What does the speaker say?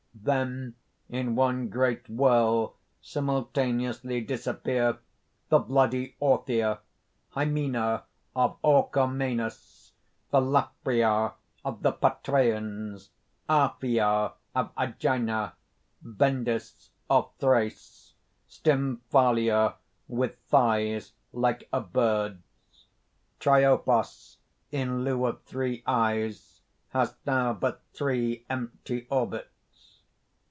_ _Then in one great whirl simultaneously disappear the bloody Orthia, Hymina of Orchomenus, the Laphria of the Patræns, Aphia of Agina, Bendis of Thrace, Stymphalia with thighs like a bird's. Triopas, in lieu of three eyes, has now but three empty orbits.